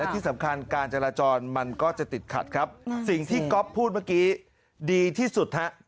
ที่สำคัญการจราจรมันก็จะติดขัดครับสิ่งที่ก๊อฟพูดเมื่อกี้ดีที่สุดฮะ